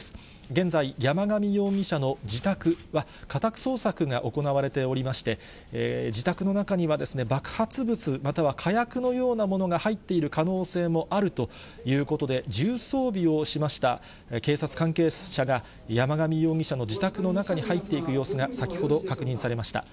現在、山上容疑者の自宅は家宅捜索が行われておりまして、自宅の中には爆発物、または火薬のようなものが入っている可能性もあるということで、重装備をしました警察関係者が、山上容疑者の自宅の中に入っていく様子が、先ほど確認されました。